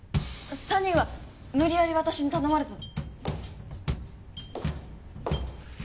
３人は無理やり私に頼まれたの。